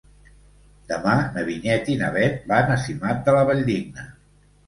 Demà na Vinyet i na Bet van a Simat de la Valldigna.